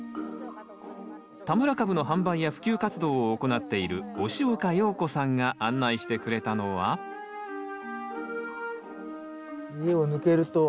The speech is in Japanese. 田村かぶの販売や普及活動を行っている押岡洋子さんが案内してくれたのは家を抜けると。